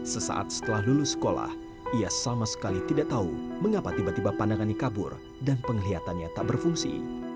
sesaat setelah lulus sekolah ia sama sekali tidak tahu mengapa tiba tiba pandangannya kabur dan penglihatannya tak berfungsi